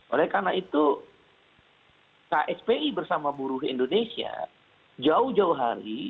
oleh karena itu kspi bersama buruh indonesia jauh jauh hari